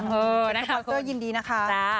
เป็นสปาสเตอร์ยินดีนะคะ